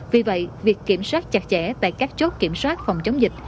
vì vậy việc kiểm soát chặt chẽ tại các chốt kiểm soát phòng chống dịch